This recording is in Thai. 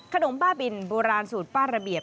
บ้าบินโบราณสูตรป้าระเบียบ